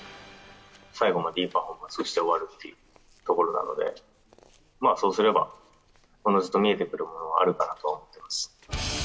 最後までいいパフォーマンスをして終わるっていうところなので、そうすればおのずと見えてくるものがあるかなと思ってます。